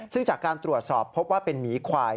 ซึ่งจากการตรวจสอบพบว่าเป็นหมีควาย